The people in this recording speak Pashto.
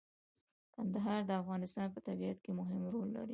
کندهار د افغانستان په طبیعت کې مهم رول لري.